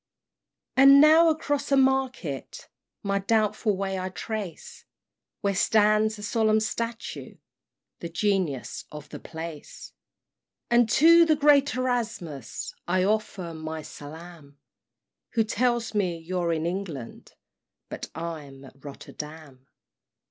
V. And now across a market My doubtful way I trace, Where stands a solemn statue, The Genius of the place; And to the great Erasmus I offer my salaam; Who tells me you're in England, But I'm at Rotterdam.